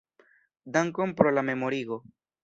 Dankon pro la memorigo.